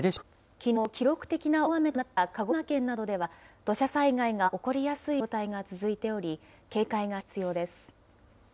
きのう、記録的な大雨となった鹿児島県などでは、土砂災害が起こりやすい状態が続いており、警戒が必要です。